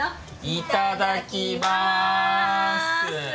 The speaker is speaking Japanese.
いただきます！